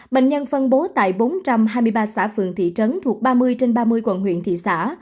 bệnh nhân phân bố tại bốn trăm hai mươi ba xã phường thị trấn thuộc ba mươi trên ba mươi quận huyện thị xã